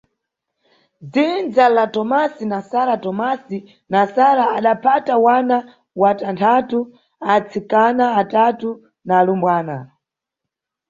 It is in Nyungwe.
Dzindza la Tomasi na Sara Tomasi na Sara adabala wana watanthatu: atsikana atatu na alumbwana.